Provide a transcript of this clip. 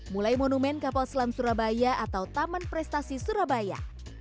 mulai monumen kapal selam surabaya atau taman prestasi surabaya